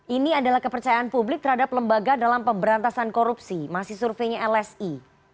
ini adalah kepercayaan publik terhadap lembaga dalam pemberantasan korupsi masih surveinya lsi